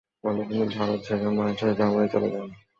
ফলে তিনি ভারত ছেড়ে মায়ের সাথে জার্মানি চলে যান।